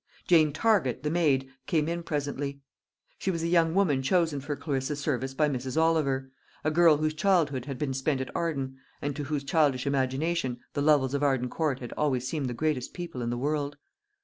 Jane Target, the maid, came in presently. She was the young woman chosen for Clarissa's service by Mrs. Oliver; a girl whose childhood had been spent at Arden, and to whose childish imagination the Lovels of Arden Court had always seemed the greatest people in the world.